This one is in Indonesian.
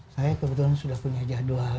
saya kebetulan sudah punya jadwal